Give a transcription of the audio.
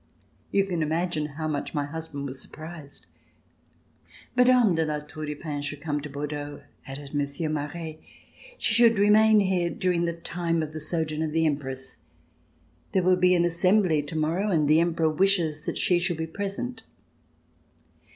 You can imagine how much my husband was surprised. "Mme. de La Tour du Pin should come to Bor deaux," added Monsieur Maret. "She should remain here during the time of the sojourn of the Empress. There will be an Assembly tomorrow and the Emperor wishes that she should be present."